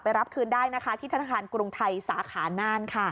รับคืนได้นะคะที่ธนาคารกรุงไทยสาขาน่านค่ะ